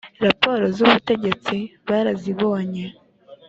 raporo z ubutegetsi barazibonye